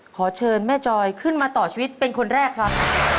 ขอเชิญแม่จอยขึ้นมาต่อชีวิตเป็นคนแรกครับ